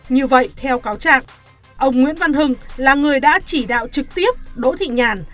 như vậy theo cáo trạng ông nguyễn văn hưng là người đã chỉ đạo trực tiếp đỗ thị nhàn